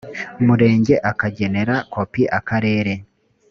murenge akagenera kopi akarere